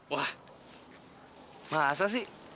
wah masa sih